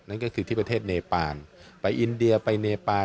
นั่นก็คือที่ประเทศเนปานไปอินเดียไปเนปาน